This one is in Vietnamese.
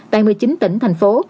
tại một mươi chín tỉnh thành phố